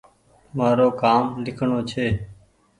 مآرو ڪآم ليکڻو ڇي